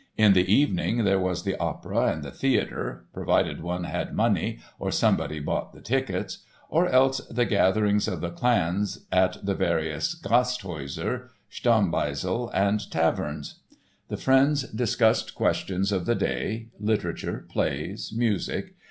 In the evening there was the opera and the theatre (provided one had money or somebody bought the tickets) or else the gatherings of the clans at the various "Gasthäuser," "Stammbeisel" and taverns. The friends discussed questions of the day, literature, plays, music.